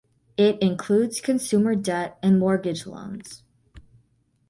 It includes consumer debt and mortgage loans.